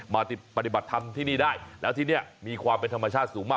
มาปฏิบัติธรรมที่นี่ได้แล้วที่นี่มีความเป็นธรรมชาติสูงมาก